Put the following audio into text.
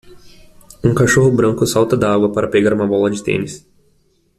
Um cachorro branco salta da água para pegar uma bola de tênis.